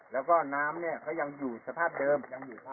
แล้วก็น้ำเนี่ยก็ยังอยู่สภาพเดิมนี้ยังอยู่สภาพเดิม